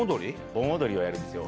盆踊りをやるんですよ。